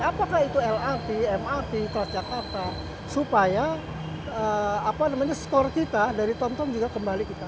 apakah itu lrt mrt kelas jakarta supaya skor kita dari tomtom juga kembali kita